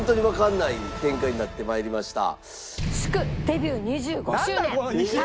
デビュー２５周年」